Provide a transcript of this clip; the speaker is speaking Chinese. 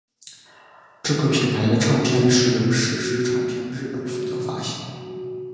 这个品牌的唱片是由史诗唱片日本负责发行。